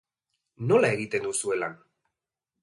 Nola egiten duzue lan?